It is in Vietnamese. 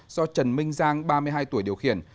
do trần minh giang ba mươi hai tuổi điều khiển